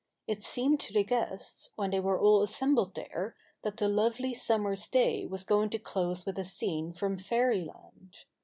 It seemed to the guests, when they were ail assembled there, that the lovely summer's day was going to close with a scene from fairyland.